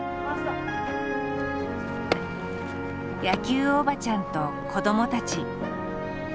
野球おばちゃんと子どもたち。